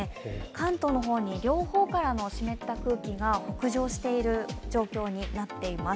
関東の方に両方からの湿った空気が北上している状況になっています。